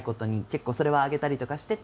結構それは上げたりとかしてて。